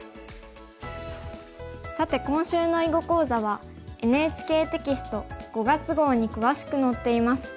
さて今週の囲碁講座はＮＨＫテキスト５月号に詳しく載っています。